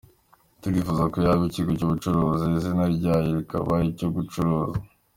Turifuza ko yaba ikigo cy’ubucuruzi, izina ryayo rikaba iryo gucuruza.